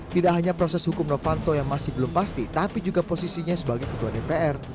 tidak hanya proses hukum novanto yang masih belum pasti tapi juga posisinya sebagai ketua dpr